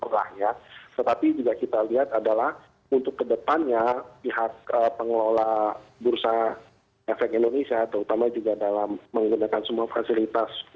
tetapi juga kita lihat adalah untuk kedepannya pihak pengelola bursa efek indonesia terutama juga dalam menggunakan semua fasilitas